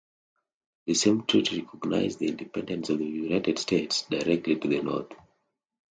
The same treaty recognized the independence of the United States, directly to the north.